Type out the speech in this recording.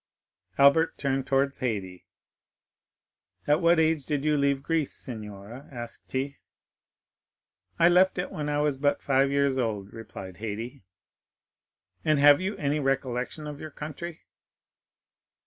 Albert turned towards Haydée. "At what age did you leave Greece, signora?" asked he. "I left it when I was but five years old," replied Haydée. "And have you any recollection of your country?"